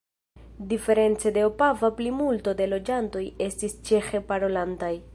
Diference de Opava plimulto de loĝantoj estis ĉeĥe parolantaj.